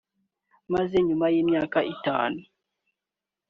maze nyuma y’imyaka itanu